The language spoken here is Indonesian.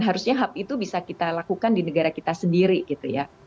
harusnya hub itu bisa kita lakukan di negara kita sendiri gitu ya